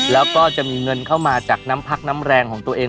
แล้วก็จะมีเงินเข้ามาจากน้ำพักน้ำแรงของตัวเอง